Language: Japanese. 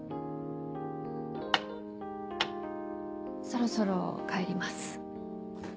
そろそろ帰ります。